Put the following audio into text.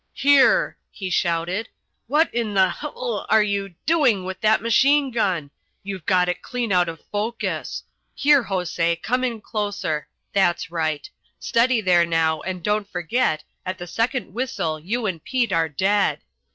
"Here!" he shouted, "what in h l are you doing with that machine gun? You've got it clean out of focus. Here, Jose, come in closer that's right. Steady there now, and don't forget, at the second whistle you and Pete are dead.